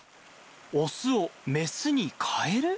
オスをメスに変える？